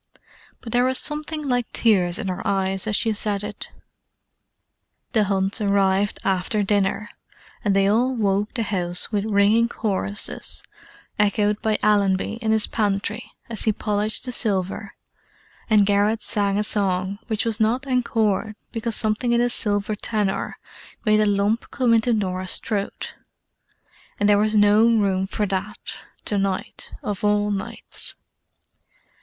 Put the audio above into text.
But there was something like tears in her eyes as she said it. The Hunts arrived after dinner, and they all woke the house with ringing choruses—echoed by Allenby in his pantry, as he polished the silver; and Garrett sang a song which was not encored because something in his silver tenor made a lump come into Norah's throat; and there was no room for that, to night, of all nights.